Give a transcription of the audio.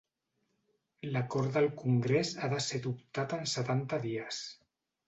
L'acord del Congrés ha de ser adoptat en setanta dies.